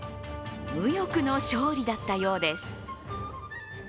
無欲の勝利だったようです。